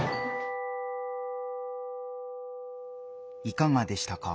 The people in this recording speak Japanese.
いかがでしたか？